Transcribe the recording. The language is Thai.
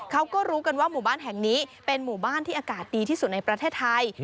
เขาก็รู้กันว่าหมู่บ้านแห่งนี้เป็นหมู่บ้านที่อากาศดีที่สุดในประเทศไทย